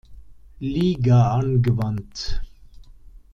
Liga angewandt.